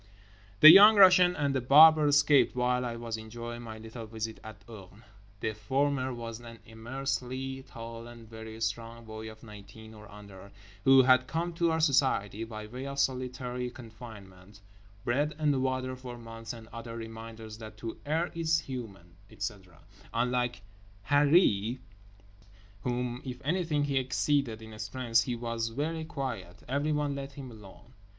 The Young Russian and The Barber escaped while I was enjoying my little visit at Orne. The former was an immensely tall and very strong boy of nineteen or under; who had come to our society by way of solitary confinement, bread and water for months, and other reminders that to err is human, etc. Unlike Harree, whom, if anything, he exceeded in strength, he was very quiet. Everyone let him alone.